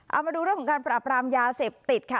เอามาดูเรื่องของการปราบรามยาเสพติดค่ะ